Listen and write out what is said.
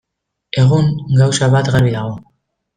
Egun, gauza bat garbi dago.